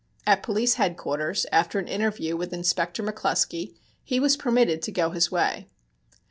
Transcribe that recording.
At Police Headquarters after an interview with Inspector McClusky he was permitted to go his way.